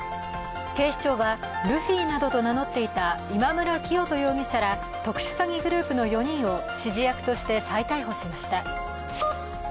警視庁はルフィなどと名乗っていた今村磨人容疑者ら特殊詐欺グループの４人を指示役として再逮捕しました。